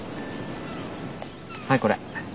はいこれ。